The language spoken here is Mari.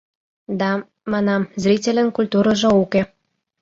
— Да, — манам, — зрительын культурыжо уке.